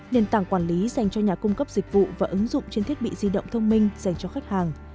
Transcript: nền tảng quản lý dành cho nhà cung cấp dịch vụ và ứng dụng trên thiết bị di động thông minh dành cho khách hàng